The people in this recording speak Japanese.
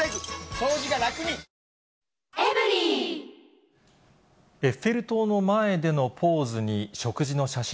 こういうふうに、エッフェル塔の前でのポーズに、食事の写真。